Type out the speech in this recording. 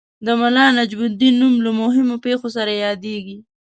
د ملا نجم الدین نوم له مهمو پېښو سره یادیږي.